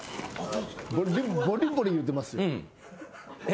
ボリボリいうてますよ。